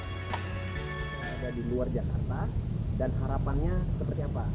ada di luar jakarta dan harapannya seperti apa